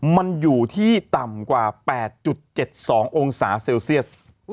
มันอยู่ที่ต่ำกว่า๘๗๒องศาเซลเซียส